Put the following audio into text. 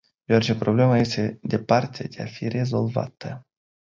Deoarece problema este departe de a fi rezolvată.